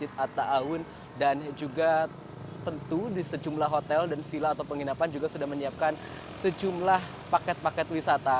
masjid atta awun dan juga tentu di sejumlah hotel dan villa atau penginapan juga sudah menyiapkan sejumlah paket paket wisata